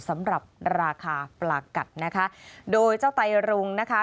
สำหรับราคาปลากัดนะคะโดยเจ้าไตรรุงนะคะ